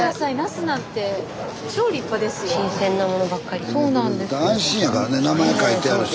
スタジオ安心やからね名前書いてあるし。